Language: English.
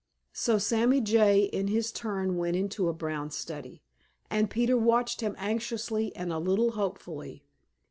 So Sammy Jay in his turn went into a brown study, and Peter watched him anxiously and a little hopefully.